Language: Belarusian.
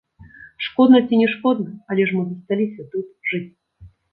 Шкодна ці не шкодна, але ж мы засталіся тут жыць.